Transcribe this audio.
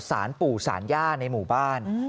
สารปู่สารย่าในหมู่บ้าน